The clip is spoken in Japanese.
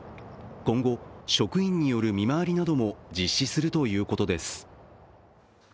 今後、職員による見回りなども実施するということです。